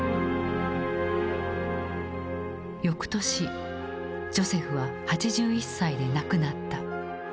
よくとしジョセフは８１歳で亡くなった。